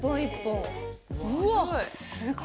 うわっ！